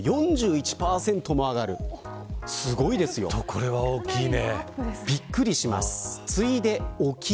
これは大きいね。